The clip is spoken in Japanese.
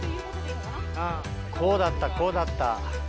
こうだった、こうだった。